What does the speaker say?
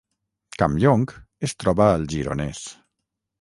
Campllong es troba al Gironès